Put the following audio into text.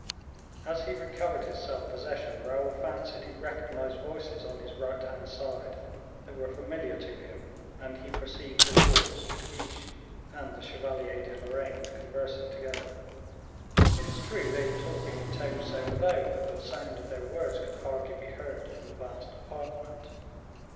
As he recovered his self possession, Raoul fancied he recognized voices on his right hand side that were familiar to him, and he perceived De Wardes, De Guiche, and the Chevalier de Lorraine conversing together. It is true they were talking in tones so low, that the sound of their words could hardly be heard in the vast apartment.